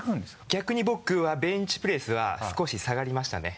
逆に僕はベンチプレスは少し下がりましたね。